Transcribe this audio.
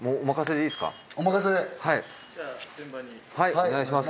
お願いします。